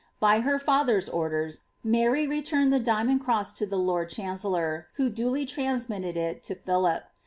By her father's orders, Mary returned the diamond cross to the lord chancellor, who duly transmitted it to Philip.